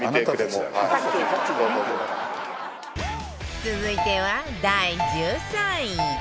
続いては第１３位